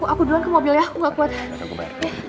aku duluan ke mobil ya aku gak kuat